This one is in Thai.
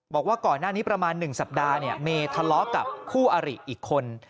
บอกว่าก่อนหน้านี้ประมาณ๑สัปดาห์เมย์ทะเลาะกับคู่อริอีกคน